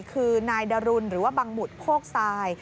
คือนายดรุนหรือว่าบังหมุดโคกทราย